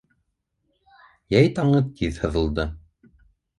Йәй таңы тиҙ һыҙылды.